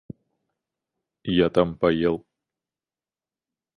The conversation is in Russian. Я там поел.